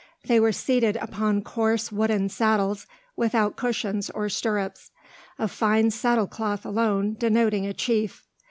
They were seated upon coarse wooden saddles, without cushions or stirrups, a fine saddle cloth alone denoting a chief.